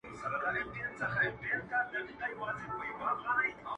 o که هر څو خلګ ږغېږي چي بدرنګ یم.